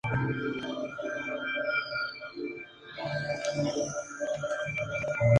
Orange Is the New Black ha recibido la aclamación de la crítica.